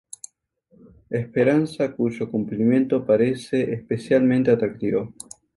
Esperanza cuyo cumplimiento parece especialmente atractivo.